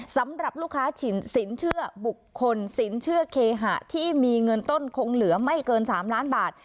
สำหรับลูกค้าสินเชื่อบุคคลสินเชื่อเคหะที่มีเงินต้นคงเหลือไม่เกิน๓ล้านบาท